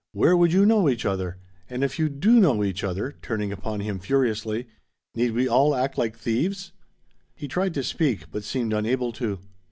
Where would you know each other? And if you do know each other," turning upon him furiously "need we all act like thieves?" He tried to speak, but seemed unable to.